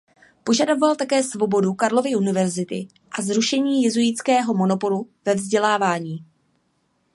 Požadoval také svobodu Karlovy univerzity a zrušení jezuitského monopolu ve vzdělávání.